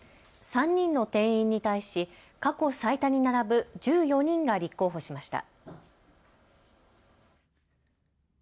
３人の定員に対し過去最多に並ぶ１４人が立候補しました。